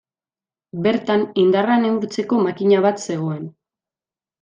Bertan indarra neurtzeko makina bat zegoen.